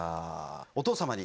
お父様に。